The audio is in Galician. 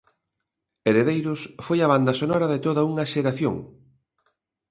Heredeiros foi a banda sonora de toda unha xeración.